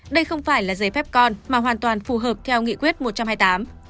đây không phải là giấy phép con mà hoàn toàn phù hợp theo nghị quyết một trăm hai mươi tám